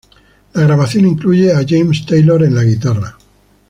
La grabación incluye a James Taylor en la guitarra.